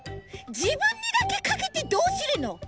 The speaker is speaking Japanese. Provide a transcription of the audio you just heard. じぶんにだけかけてどうするの？